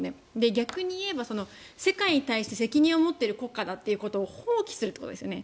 逆に言えば、世界に対して責任を持っている国家だということを放棄するってことですよね。